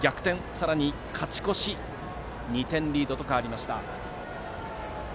さらに勝ち越して２点リードと変わりました。